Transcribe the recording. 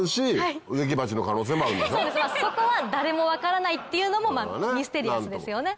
そうですそこは誰も分からないっていうのもミステリアスですよね。